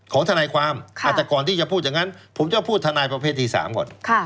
ของทนายความค่ะแต่ก่อนที่จะพูดอย่างนั้นผมจะพูดทนายประเภทที่สามก่อนค่ะ